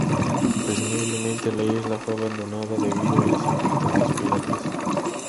Presumiblemente la isla fue abandonada debido a las incursiones piratas.